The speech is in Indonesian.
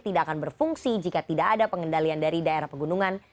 tidak akan berfungsi jika tidak ada pengendalian dari daerah pegunungan